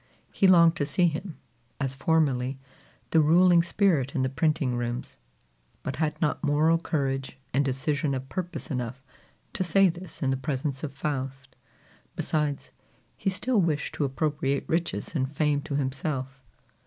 He longed to see him, as formerly, the ruling spirit in the printing rooms, but had not moral courage and decision of purpose enough to say this in the presence of Faust. Besides, he still wished to appropriate riches and fame to himself.